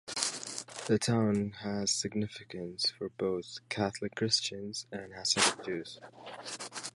The town has significance for both Catholic Christians and Hasidic Jews.